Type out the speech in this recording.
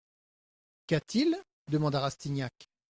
Qu'a-t-il ? demanda Rastignac.